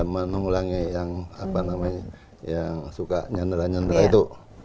menulangi yang suka nyandera nyandera itu